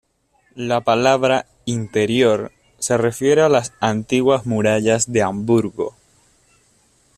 La palabra "interior" se refiere a las antiguas murallas de Hamburgo.